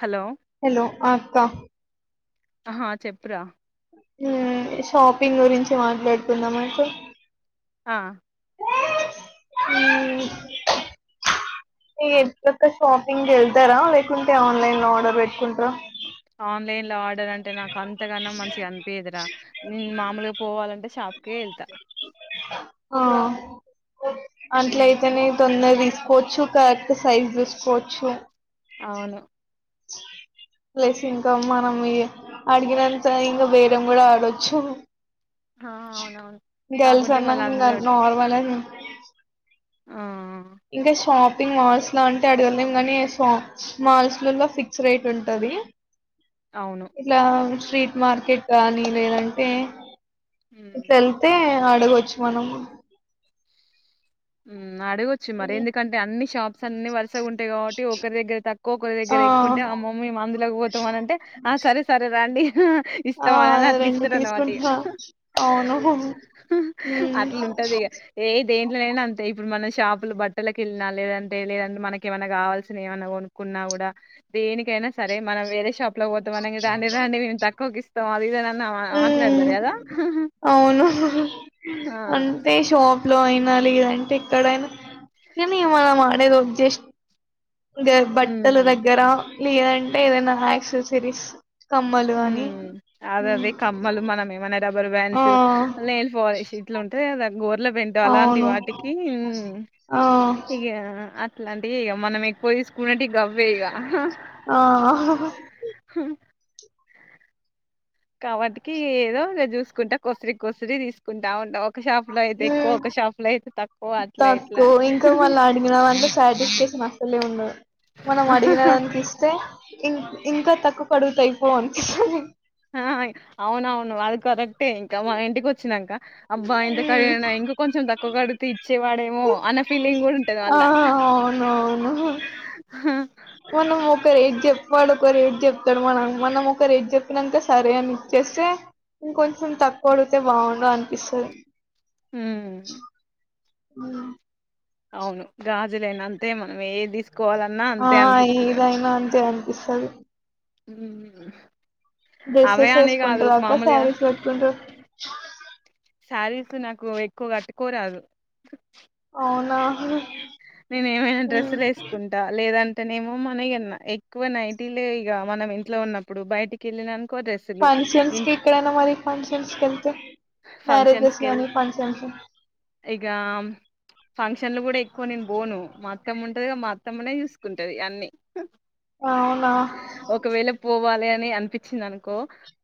Hello hello ఆ ఆక్క ఆ చెప్పురా మ్ షాపింగ్ గురించి మాట్లాడుతున్నాం అయితే ఆ యాంటీ అక్క షాపింగ్కి వెళ్తారా లేకుంటే ఆన్లైన్ లో ఆర్డర్ పెట్టుకుంటారా ఆన్లైన్ లో ఆర్డర్ అంటే నాకు అంతగానం మంచిగా అనిపియదురా నేను మామూలుగా పోవాలంటే షాప్కే వెళ్తా ఆ మ్మ్ అట్లయితేనే తొందర తి కోవచ్చు కరెక్ట్ సైజ్ చూసుకోవచ్చు అవును ప్లస్ ఇంకా మనం అడిగినంత ఇంకా బేరం కూడా ఆడొచ్చు ఆ అవునవును గర్ల్ కాకుంటే సన్నా మళ్ళ క అందరు నర్మల్ ఆ ఇంకా స షాపింగ్ మాల్స్ లో అంటే అడగలేం గానీ మాల్స్ లోలో ఫిక్స్ రేట్ ఉంటుది అవును ఇట్లా స్ట్రీట్ మార్కెట్ గానీ లేదంటే మ్మ్ ఇట్లా వెల్తే అడగవచ్చు మనం ఉ అడగచ్చు మరి ఎందుకంటే అన్ని షా అన్ని వరసగ ఉంటాయి కవట్టి ఒకరి దగ్గర తక్కు ఒక్కకరి ఆ దగ్గర ఎక్కువంటే ఆ మమ్మీ అందులోకి పోతామని అంటే, ఆ సరే సరే రండి ఆ ఇస్తాం అని అట్లా రెండు ఇస్తారు అన్నమాట ఇక తీసుకుంటా అవును మ్మ్ అట్లుంటది ఇక ఏ దేంట్లోనైనా అ ఇప్పుడు మనం షాపులు బట్టలలకు వెళ్ళినా లేదంటే లేదంటే మనక ఏమైనా కావాల్సిిన ఏమన్నా కొనుక్కున్నా కూడా దేనికి నా సరే మనం వేరే షాప్ లో పోతాం అన దా దాంన్ని మేము తక్కువకి ఇస్తాం అది ఇదన్న మ్మ్ మాట్లాడతారు కదా అవును కనీ మా మాడతో అబ్జెస్ ఇ బట్టల హ్మ్. దగ్గర లేంద ఏదైనా యాక్సెస్కిరీస్ ఉ అదదే కమ్మలు మనం ఏమనా రబ్బర్ ఆ వ్యాన్స్ నెయిల్ ఫాలష్ ఇట్ల ఉంటాది కదా [unintelligible] డ్ల పెెండు అలాంటి అవును వాటికి ఆ ఇగా ఇట్లాంటివి ఇగా మనం ఎక్కవ తీసుకునేది గవ్వే ఇగ ఆ కాబట్కి ఏదో చూసుకుంటా కొసరి కొసరి తీసుకుంటా ఉండ తక్కువ అట్లా ఇట్లా తక్కువ అని ఇంకా మళ్ళీ అడిగినదంటే సాటిస్ఫేక్షన్ అసలే ఉండదు మనం అడిగిన దానికి ఇస్తే ఇం ఇంకా తక్కువ కడుగుతయిపోం అవున అవును అది కరెక్టే ఇంకా మా ఇంటికి వచ్చిందాంక అబ్బా ఇంతకరగనా ఇంక కొంచెం తక్కువ క అడిగితే ఇచ్చేవాడే ర ఆ అవును అవును మన ఒకక్క ఎగజప్ వాడు ఒక రేట్ చెప్తాడు మనం మనం ఒక రేట్ చెప్పినక సరే అని ఇచ్చేస్తే ఇంకొంచెం తక్కువ అడితే బాగుంద అనిపిస్తుంది అ అవునుగాదు అంతే మనం తీసుకు ఆ ఇదైనా అంతే అంత ఈసం ఉ డ్రెస్సెస్ వేసుకుంటారు అక్క శారీస్ పెట్టుకుంటారు శారీస్ నాకు ఎక్కువ కట్టుకోరాదు అవునా నేను ఏమైనా ఉమ్. డ్రెస్సులు వేసుకుంటా లేదంటే అతనే ఏమో మనగన్నా ఎక్కువ నైట్లే ఇక మనం ఇంట్లో ఉన్నప్పుడు బయటికి వెళ్ళిననికి ఫంక్షన్స్కి ఇక్కడైనా మరి ఫంక్షన్స్కి వెళ్తే ఫంక్షన్స్ మ్యారేజెస్ కి లోని వెళ్తే ఫంక్షన్స్ ఇగ ఫంక్షన్లు కూడా కొ నను బోను మత్తం ఉంటదిగా మత్తమునే చూసుకుంటది అన్ని అవునా ఒకవేళ పో పోవాలి అని అనిపించింది అనుకో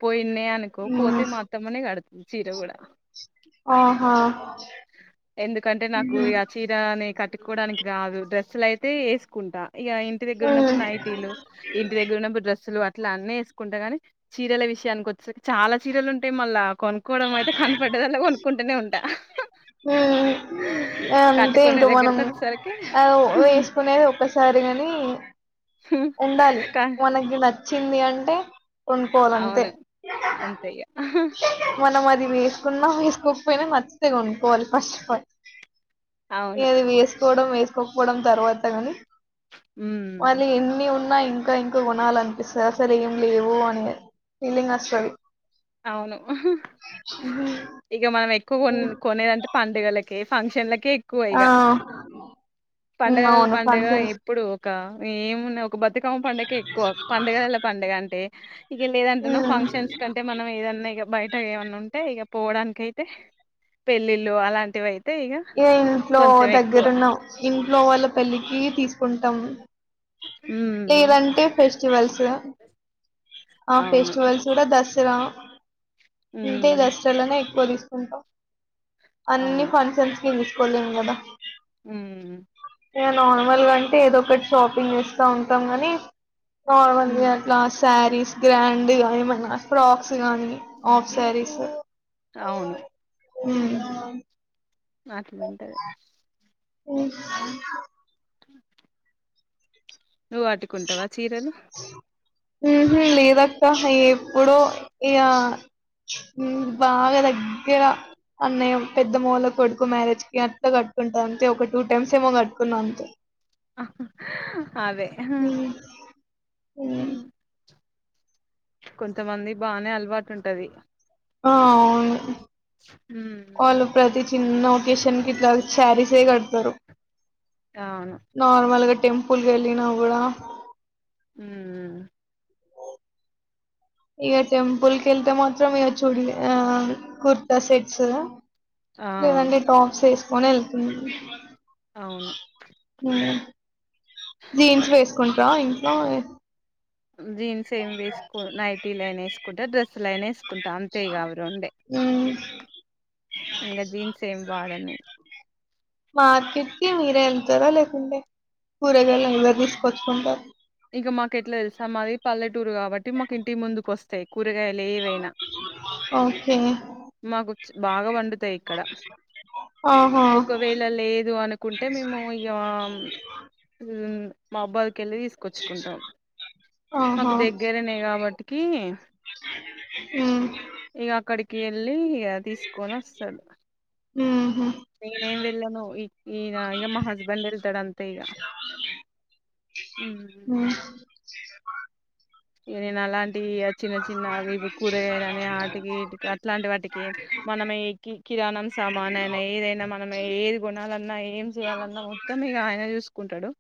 పోయి విన్నా అనుకో మ్మ్ పోతే మా అత్తమ్మని అడుగు చీర కూడా ఆహా ఉహు సుకోడానికి రాదు డ్రెస్లు అయితే వేసుకుంటా ఇక ఇంటి దగ్గర మ్మ్ ఉన్నప్పుడు నైటీలు ఇంటి దగ్గర ఉన్నప్పుడు డ్రస్సులు ఇట్లా అన్న వేసుకుంటా గానీ చీరల విషయానికి వచ్చే చాలా చీరలు ఉంటాయి మళ్ళా కొను కొడమయితే కనపడదు అవును కుంటూనే ఉంటా ఉ అంతే కట్టుకునే మనం దగ్గరకు వచ్చేసరికి అవు వేసుకునేది ఒక్కసారిగాని ఉండాలి కా వనకి నచ్చ వచ్చింది అంటే కొనుకోవాలంటే అవును అంతే ఇగ మనము అ వేసుకున్నా వేసుకోకపోయినా మంచిదే కొనుక్కకోవాలి ఫస్ట్ అఫ్ ఆల్ ఏ అవును అది వేసుకోవడం వేసుకోక పోవడం తర్వాత కానీ ఉహు ఉ ఉన్నా ఇంకా ఇంకా కొనాల అనిపిస్తుంది అసలు ఏం లేవు అనే ఫీలింగ్ వస్తుంది అవును ఇక మనం ఎ కొ కొనేదంటే పండుగలకి ఏ ఫంక్క్షన్ల కి కే ఎక్కువ ఆ ఇగా ఉమ్ పండగలలో అవును పండుగ ఫంక్షన్స్ ఎప్పుడు ఏమున్నా బతుకమ్మ పండుగ ఎక్కువ పండగలలో పండుగ అంటే ఇక లేదంటే ఫంక్షన్స్ కంటే మనం ఏదన్నా ఇగ బయట ఏమన్నా ఉంటే ఇక పోవడానికి అయితే పెళ్ళిళ్ళు అలాంటివి అయితే ఇక ఇ ఇంట్లో కొంచెం ఎక్కువ దగ్గరున్నాం ఇంట్లో వాళ్ళ పెళ్ళికి తీసుకు కుంటాం ఉమ్ లేదంటే ఫెస్టివల్స్ ఆ అవును ఫెస్టివల్స్ కూడా దసరా ఇది ఉమ్ దసరానే పస్తుంట [unintelligible] అన్ని ఫంక్షన్స్ పిలుసుకోలేం కదా మ్ మ నార్మల్గా అంటే ఏదో ఒకటి షాపింగ్ చేస్తా ఉంటాం గానీ నార్మల్ వి ఉమ్ అట్లా సారీస్ గ్రాండ్ ఏమన్నా ఫ్రాక్స్ గానీ ఆఫ్ శారీస్ అవును మ్ మాట వింటది మ్ నువ్వ అట్టుకుంటావా చీరలు మ్.. హుమ్.. లేదక్క ఎప్పుడో ఇ మ్.. బాగా తగ్ య అన్నయ పెద్దమ్మా వాళ్ళ కొడుకు మ్యారేజ్ కి అంత కట్టుకుంటా అంతే ఒక టూ టైమ్స్ ఏమో కట్టుకున్నా అంతే మ్ అదే మ్ కొంతమంది బానే అలవాటు ఉంటది ఆ.. అవును ఉమ్ వాళ్ళు ప్రతి చిన్న ఒకేషన్ కి ఇట్లా శారీసే కడతారు అవును నార్మల్గా టెంపుల్ కి వెళ్ళి నా కూడా ఊమ్ ఇక టెంపుల్ కెళ్తే మాత్రం ఇక చూడలె ఆ కుర్తా సెట్స్ ఆ లేదంటే టాప్సస్ పోనలుకు [unintelligible] అవును మ్ జీన్స్ వేసుకుంటా ఆ ఇంట్లో ఎప్ జీన్స్ ఏం వేస్స్కోన్ న్తెటీలె నెనె ఎస్ కు డ్రెస్లయిన ఎస్ కు టా అంతే ఇక అవి రెండే ఉమ్, ఇంక జీన్స్ ఏం వాడన్నెన్ మార్కెట్ కి మీరే వెళ్తారా లేకుంటే కూరగాయలు నువ్వె నేను తీసుకచ్చు కుంటారు టూర్ కాబట్టి మాకు ఇంటి ముందుకు వస్తాయి కూరగాయలు ఏవైనా ఓకే మాకు చ బాగా పండుతాయి ఇక్కడ ఆహా ఒకవేళ లేదు అనుకుంటే మేము ఇగ హు మబ్బు కెళ్ళి తీసుకొచ్చుకుంటాం మాకు ఆహా దగ్గరనే కాబట్టికి ఉమ్ ఇగ అక్కడి కెళ్ళి య తీసుకొని వస్తాడు హ్ నేనేం వెళ్ళను ఈ ఈయన ఇగ మా హస్బెండ్ వెళ్తాడు అంతే ఇగ హ్ హు ఉమ్ నేనుఅలా ఏ ఇగ చిన్న చిన్న అవి ఇవి కూరగాయలని ఆటికి ఈటికి అట్లాంటి వాటికి మనం కిరాణం సామాను ఐనా ఏదైనా మనం ఏది కొనాలన్నా ఏం చేయాలన్నా మొత్తం ఇగ ఆయన చూసుకుంటాడు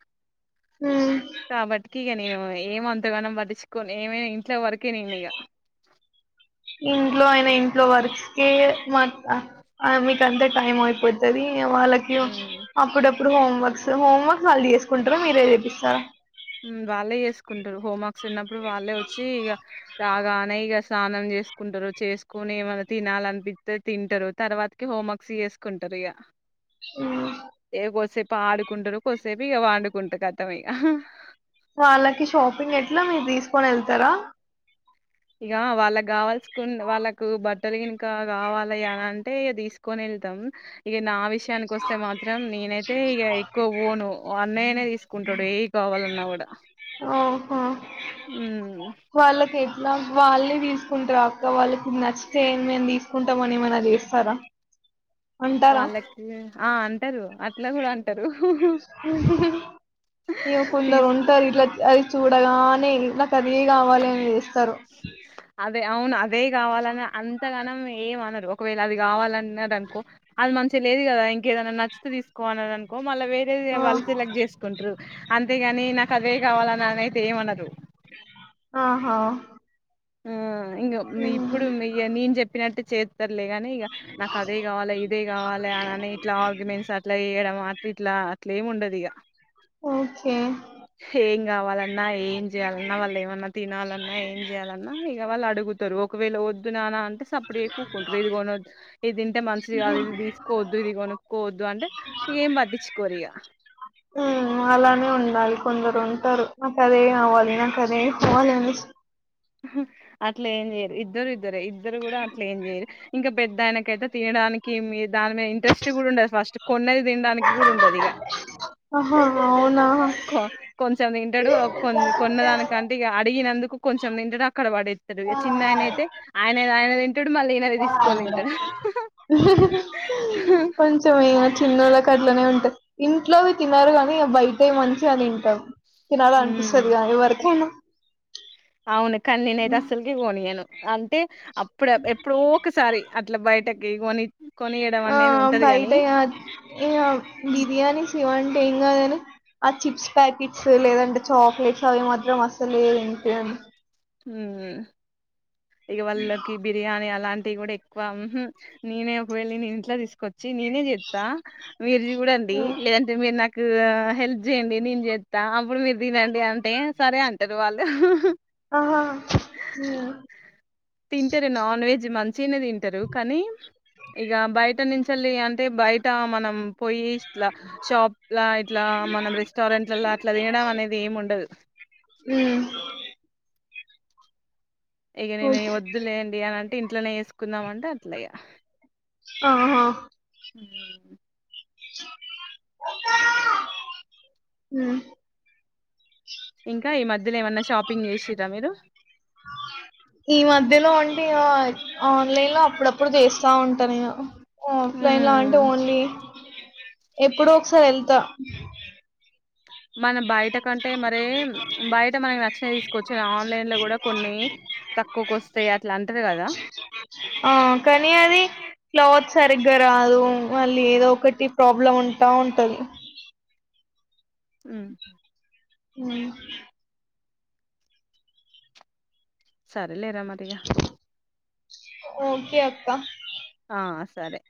ఉమ్ కాబట్టికి ఇగ నేను ఏం అంతగానం పటించు కొన్ని ఏమైనా ఇంట్లో వరకే నేను ఇగ ఇంట్లో అయిన ఇంట్లో వర్క్స్ మా మీక అంతా టైమ్ అయిపోతది ఇగ వాళ్ళకి ఉమ్ అప్పుడప్పుడు ఇప్పుడు హోమ్వర్క్స్ హోమ్వర్క్స్ వాళ్ళు చేసుకుంటార మీరే చేపిస్తారా హ్ వాళ్ళే చేసుకుంటారు హోంవర్క్స్ ఉన్నప్పుడు వాళ్ళే వచ్చి ఇగ రాగానే ఇగ స్నానం చేసుకుంటారు చేసుకోని ఏమైన్నా తినాలనిపిస్తే తింటారు తర్వాతకి హోమ్వర్క్స్ చేసుకుంటారు ఇగ ఆ పాడుకుంటారు కొద్దిసేపు ఇక పండుకుంటే కతం ఇగ వాళ్ళకి షాపింగ్ ఎట్లా మీరు తీసుకొని వెళ్తారా ఇగ వాళ్ళకి కావాల్సుకు వాళ్ళకు బట్టలు గనుకా కావాలి అని అంటే ఇగ తీసుకొని వెళ్తాం ఇక నా విషయానికి వస్తే మాత్రం నేనైతే ఇగ ఎక్కువ పోను అన్నయ్యనే తీసుకుంట్టడు ఏవి కావాలన్నా కూడా ఆ హ్ ఇగ వాళ్లే తీసుకుంట్టర అక్క వాళ్ళకు నచ్చితే మేము తీసుకుంటామని ఏమనా చేస్తారా అంటారా వాళ్ళకి ఆ అంటారు అట్లా కూడా అంటారు హు ఇగ కొందరు తీసు ఉంటారు ఇట్లా అది చూడగానే నచ్చు అదే కావాలి అని చేస్తారు అదే అవును అదే కావాలని అంతగానం ఎమ్ అనరు ఒకవేళ అది కావాలన్నరనుకో అనుకో అది మంచి తినేది కదా ఇంకేదైనా నచ్చితే తీసుకోవాన్నరనుకో మళ్ళ వేరే ఆ వాళ్ళ సెలెక్ట్ చేసుకుంట్రారు అ కాగానీ నా చదవే కావాలని అన అైతే ఏమనదు ఆహా ఆ ఇంకా ఇప్పుడు నేను చెప్పినట్టు చే లేగాని ఇక నాకు అదే కావాలి ఇదే కావాలి అని ఇట్లా ఆర్గ్యుమెంట్స్ అట్లా చేయడం అట్ ఇట్లా అ లేముండదు ఇక ఓకే ఏం కావాలన్నా ఏం చేయ్యాలన్నా వాళ్ళు ఏమన్నా తినాలన్నా ఏం చేయాలన్నా ఇక వాళ్ళు అడుగుతారు ఒకవేళ వద్దున ంటే సప్పుడ కూక్కుంటారు ఇది కొనద్దు ఇది తింటే మంచిషది అది ఇది తీసుకోవద్దు ఇది కొనుక్కోవద్దు అంటే ఇక ఏం పట్టించుకోరు ఇక అలానే ఉండాలి కొందరు ఉంటారు మాకాదే అవ్వదా సరే పోవాలిండి అట్ల ఏంయరు ఇద్దరు ఇ ఇద్దర ఇద్దరు కూడా అట్లా ఏం చేయ్యరు ఇంకా పెద్ద ఆయన తే తినడానికి మీ దాని మీద ఇంట్రెస్ట్ కూడా ఉండంది ఫస్ట్ కొన్నది తినడానికి కూడా ఉంటది ఇక ఆహా అవునా కొంచెం తింటాడు కొ కొన్న దానికంటే ఇ అడిగినందుకు కొ అ అక్కడవాడ చిన్న ఆయన అయితే ఆయన ఆయన తింటాడు మళ్ళీ ఈయనది తీసుకొని తింటాడు కొంచం ఇ చిన్నోళ్ళ కట్లనే ఉంటాయి ఇంట్లోవి తిినన్నారు కాగాని బయట మంచి అని తింటాం కినా అంట ఉమ్ సరిగా వరకనా అవును కనీనే దసలుకి పోనీను అంటే అప్పుడ ఎప్పుడో ఒకసారి అట్లా బయట ఏవణ ఆ బయట బిర్యాని శివన్ ఏం కాదని ఆ చిప్స్ ప్యాకెట్స్ లేదంటే చాక్లెట్స్ అవి మాత్రం అస్సలుది ఏంటి హ ఇక వాళ్ళకి బిర్యానీ అలాంటి ది కూడా ఎక్కువ నేనే ఒక వెళ్ళి నే ఇంట్లో తీసుకొచ్చ వచ్చి నేనే చెప్స్తా మీరుది కూడా అండి లేదంటే మీరు నాకు హెల్ప్ చేయండి నేను చేస్తా అప్పుడు మీరు తినండి అంటే సరే అంటారు వాళ్ళు ఆహా ఉమ్ తింట ర నాన్ వెజ్ మంచ చిిన తింటారు కానీ ఇక బయట నుంచిళ్ళ అంటే బయట మనం పోయి ఇట్లా షాప్లా ఇట్లా మనం రెస్టారెంట్లలా అట్లా తినడం అనేది ఏమి ఉండదు ఆ ఇక నేను ఈ ఓకే. వద్దులేయంండి అనింత ఇంలోనే తీసుకుందామంటే అట్ల్యా ఆహా ఉమ్ ఇంకా ఈ మధ్యలో ఏమన్నా షాపింగ్ చేసారా మీరు ఈ మధ్యలో అంటే ఇక ఆన్లైన్ లో అప్పుడప్పుడు చేస్తా ఉంటాను ఆఫ్లైన్ అంటే హ్మ్ ఓన్లీ ఎప్పుడు ఒకసారి వెళ్తా మన బయట కంటే మర బయట మనకి నచ్చిన తీసుకోవచ్చు ఆన్లైన్ లో కూడా కొన్ని తక్కువకు వస్తాయి అట్లా అంటారు కదా ఆ కానీ అది క్లాత్ సరిగ్గా రాదు మళ్ళీ ఏదో ఒకటి ప్రాబ్లం ఉంటా ఉంటంది ఉమ్. సరేలే మరిగా ఓకే అబ్బా ఆ సరే